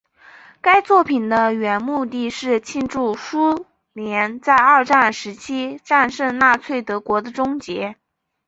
该作品原目的是庆祝苏联在二战时期战胜纳粹德国的终结。